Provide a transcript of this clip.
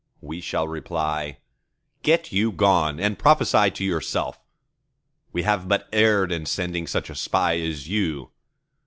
we shall reply, Get you gone, and prophesy to yourself! we have but erred in sending such a spy as you.